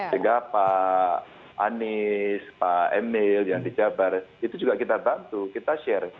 sehingga pak anies pak emil yang di jabar itu juga kita bantu kita share